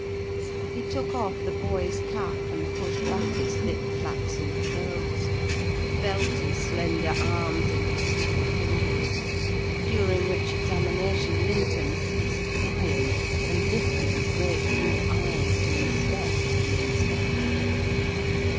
He took off the boy's cap and pushed back his thick flaxen curls, felt his slender arms and his small fingers; during which examination Linton ceased crying, and lifted his great blue eyes to inspect the inspector.